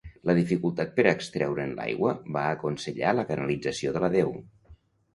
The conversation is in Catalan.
La dificultat per extreure'n l'aigua va aconsellar la canalització de la deu.